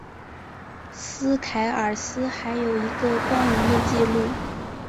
斯凯尔斯还有一个光荣的记录。